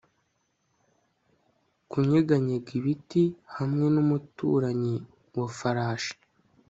Kunyeganyega biti hamwe numuturanyi wa farashi